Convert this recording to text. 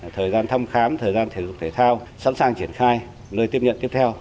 thời gian thăm khám thời gian thể dục thể thao sẵn sàng triển khai nơi tiếp nhận tiếp theo